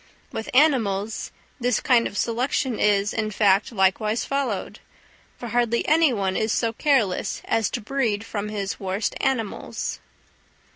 With animals this kind of selection is, in fact, likewise followed; for hardly any one is so careless as to breed from his worst animals.